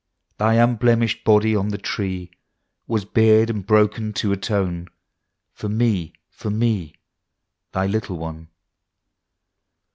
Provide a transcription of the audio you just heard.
Thy unblemished Body on the Tree ^Ya8 bared and broken to atone For me, for me Thy little one.